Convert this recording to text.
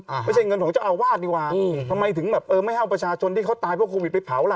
ไม่ใช่เงินของเจ้าอาวาสดีกว่าอืมทำไมถึงแบบเออไม่เอาประชาชนที่เขาตายเพราะโควิดไปเผาล่ะ